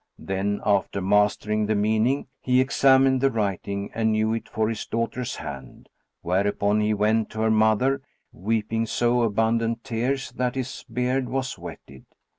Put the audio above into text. Then, after mastering the meaning, he examined the writing and knew it for his daughter's hand; whereupon he went to her mother, weeping so abundant tears that his beard was wetted.